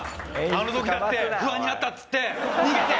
あの時だって「不安になった」っつって逃げて。